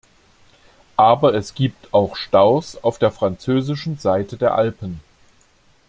Aber es gibt auch Staus auf der französischen Seite der Alpen.